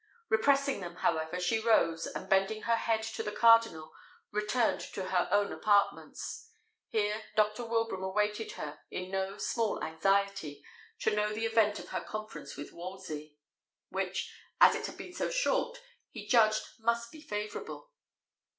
Repressing them, however, she rose, and bending her head to the cardinal, returned to her own apartments. Here Dr. Wilbraham awaited her in no small anxiety, to know the event of her conference with Wolsey, which, as it had been so short, he judged must be favourable.